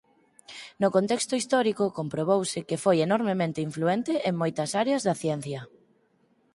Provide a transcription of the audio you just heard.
No contexto histórico comprobouse que foi enormemente influente en moitas áreas da ciencia.